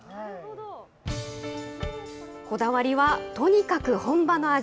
こだわりは、とにかく本場の味。